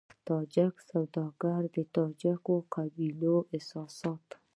تاجک سوداګر د تاجکو قبيلوي احساسات.